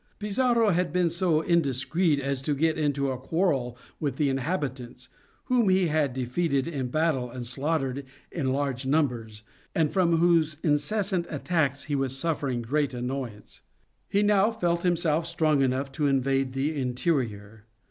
Pizarro had been so indiscreet as to get into a quarrel with the inhabitants, whom he had defeated in battle and slaughtered in large numbers, and from whose incessant attacks he was suffering great annoyance. He now felt himself strong enough to invade the interior.